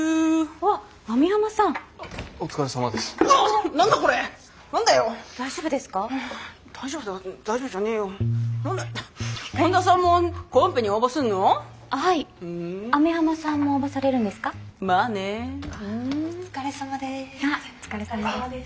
あっお疲れさまです。